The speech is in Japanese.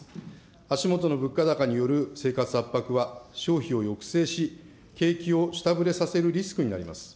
足下の物価高による生活圧迫は消費を抑制し、景気を下振れさせるリスクになります。